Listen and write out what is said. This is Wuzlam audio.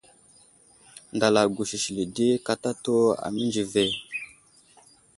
Ndala gusisili di katatu amənzi ve.